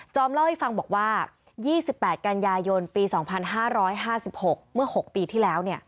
เล่าให้ฟังบอกว่า๒๘กันยายนปี๒๕๕๖เมื่อ๖ปีที่แล้ว